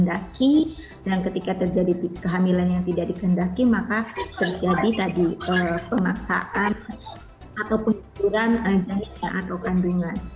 tidak dikendaki dan ketika terjadi kehamilan yang tidak dikendaki maka terjadi tadi pemaksaan atau penyelidikan atau kandungan